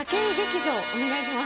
お願いします。